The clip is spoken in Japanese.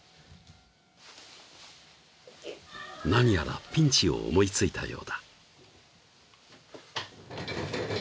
何やらピンチを思いついたようだ